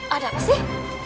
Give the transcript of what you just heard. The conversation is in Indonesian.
ada apa sih